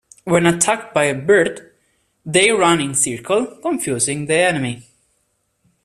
When attacked by a bird, they run in circles, confusing the enemy.